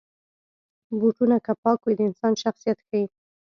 بوټونه که پاک وي، د انسان شخصیت ښيي.